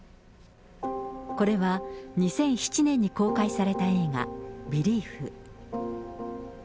これは、２００７年に公開された映画、ビリーフ。